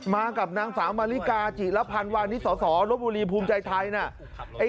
มากับนางสาวมาริกาจิระพันธ์วานิสสลบบุรีภูมิใจไทยนะ